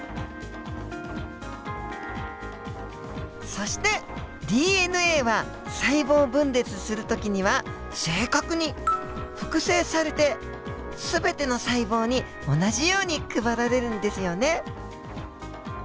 そしてＤＮＡは細胞分裂する時には正確に複製されて全ての細胞に同じように配られるんですよね。